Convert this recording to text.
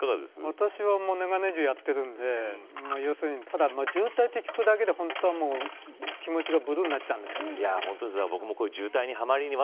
私は年がら年中やっているのでただ渋滞と聞くだけで気持ちがブルーになっちゃうんですけど。